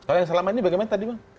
oh ya selama ini bagaimana tadi bang